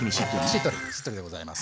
しっとりでございます。